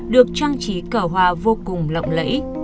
được trang trí cờ hòa vô cùng lộng lẫy